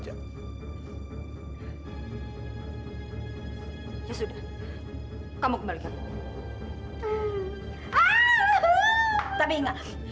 kamu bisa kembali ke rumah